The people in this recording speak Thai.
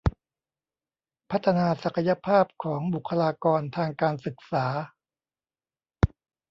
พัฒนาศักยภาพของบุคลากรทางการศึกษา